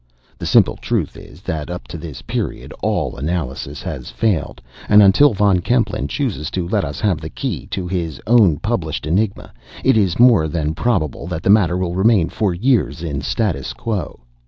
The simple truth is, that up to this period all analysis has failed; and until Von Kempelen chooses to let us have the key to his own published enigma, it is more than probable that the matter will remain, for years, in statu quo.